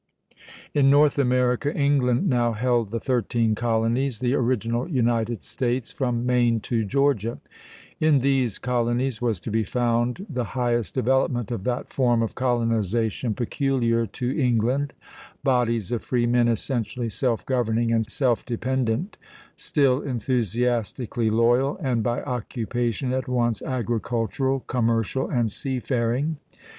In North America, England now held the thirteen colonies, the original United States, from Maine to Georgia. In these colonies was to be found the highest development of that form of colonization peculiar to England, bodies of free men essentially self governing and self dependent, still enthusiastically loyal, and by occupation at once agricultural, commercial, and sea faring.